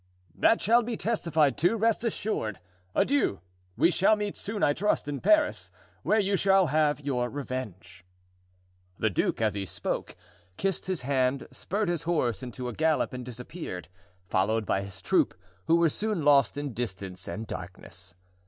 "That shall be testified to, rest assured. Adieu! we shall meet soon, I trust, in Paris, where you shall have your revenge." The duke, as he spoke, kissed his hand, spurred his horse into a gallop and disappeared, followed by his troop, who were soon lost in distance and darkness.